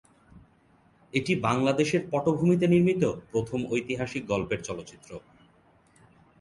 এটি বাংলাদেশের পটভূমিতে নির্মিত প্রথম ঐতিহাসিক গল্পের চলচ্চিত্র।